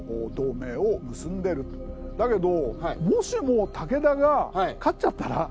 だけど。